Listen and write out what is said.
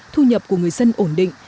thu nhập của người dân ổn định